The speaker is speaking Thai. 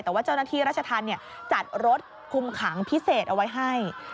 แต่ว่าเจ้าหน้าที่ราชธรรมจัดรถคุมขังพิเศษเอาไว้ให้